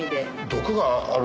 毒がある？